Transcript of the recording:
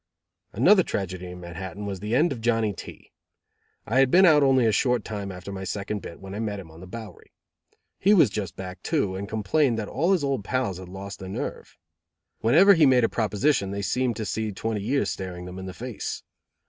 Another tragedy in Manhattan was the end of Johnny T . I had been out only a short time after my second bit, when I met him on the Bowery. He was just back, too, and complained that all his old pals had lost their nerve. Whenever he made a proposition they seemed to see twenty years staring them in the face.